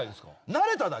慣れただけ？